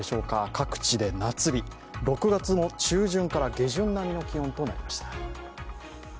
各地で夏日、６月の中旬から下旬並みの気温となりました。